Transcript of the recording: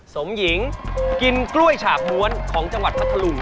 สมหญิงกินกล้วยฉาบม้วนของจังหวัดพัทธลุง